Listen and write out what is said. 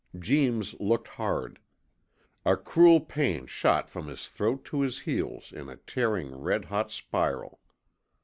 Jeems looked hard. A cruel pain shot from his throat to his heels in a tearing red hot spiral.